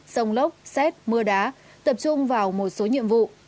sông lốc xét mưa đá tập trung vào một số nhiệm vụ